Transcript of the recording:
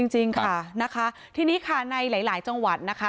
จริงค่ะนะคะทีนี้ค่ะในหลายจังหวัดนะคะ